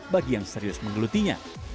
bagi yang serius menggelutinya